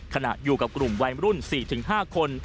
ขณะอยู่กับกลุ่มวัยรุ่น๔๕คน